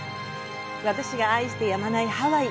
私が愛してやまないハワイ。